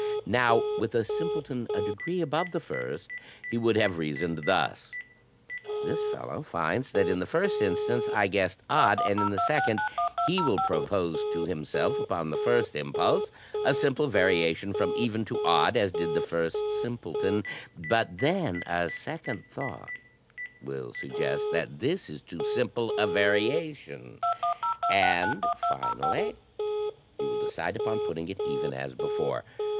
Now, with a simpleton a degree above the first, he would have reasoned thus; 'This fellow finds that in the first instance I guessed odd, and, in the second, he will propose to himself, upon the first impulse, a simple variation from even to odd, as did the first simpleton; but then a second thought will suggest that this is too simple a varia tion, and finally he will decide upon putting it even as before.